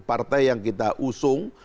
partai yang kita usung